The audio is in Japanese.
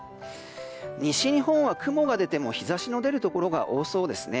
西日本は雲が出ても日差しの出るところが多そうですね。